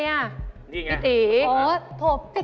นี่ไง